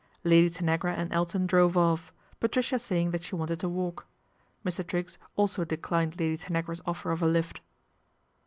Lady Tanagra and Elton drove off, Patricia tying that she wanted a walk. Mr. Triggs also aclined Lady Tanagra's offer of a lift.